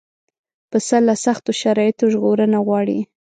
پسه له سختو شرایطو ژغورنه غواړي.